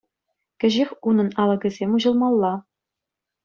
Кӗҫех унӑн алӑкӗсем уҫӑлмалла.